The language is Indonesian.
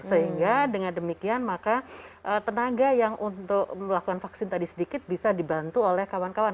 sehingga dengan demikian maka tenaga yang untuk melakukan vaksin tadi sedikit bisa dibantu oleh kawan kawan